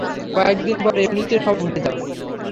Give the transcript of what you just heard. কয়েকদিন পর এমনিতেই সবাই ভুলে যাবে।